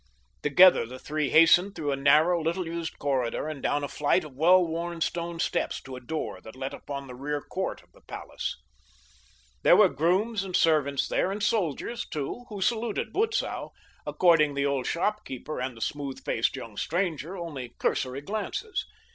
Together the three hastened through a narrow, little used corridor and down a flight of well worn stone steps to a door that let upon the rear court of the palace. There were grooms and servants there, and soldiers too, who saluted Butzow, according the old shopkeeper and the smooth faced young stranger only cursory glances.